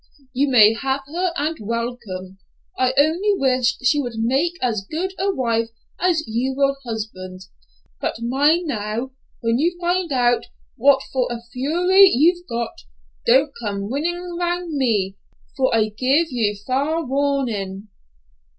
You may have her and welcome. I only wish she would make as good a wife as you will husband. But mind now, when you find out what for a fury you've got, don't come whinin' round me, for I give you fa'r warnin'."